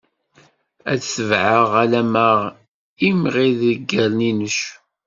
Ad t-tebɛeɣ alamma imɣi-d gerninuc.